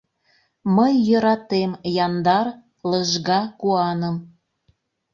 Мый йӧратем яндар, лыжга куаным.